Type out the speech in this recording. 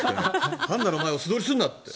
パンダの前を素通りするなって。